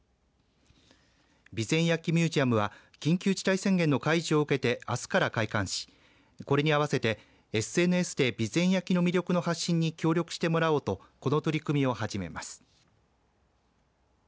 備前焼ミュージアムは緊急事態宣言の解除を受けてあすから開館しこれに合わせてＳＮＳで備前焼の魅力の発信に協力してもらおうとこの取り組みを始めます。